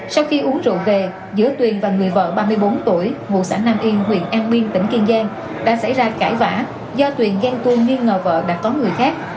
sau khi uống rượu về giữa tuyền và người vợ ba mươi bốn tuổi đã xảy ra cãi vã do tuyền ghen tuôn nghi ngờ vợ đã có người khác